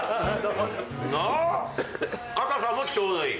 堅さもちょうどいい。